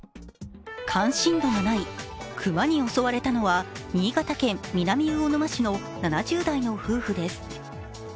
熊に襲われたのは新潟県南魚沼市の７０代の夫婦です。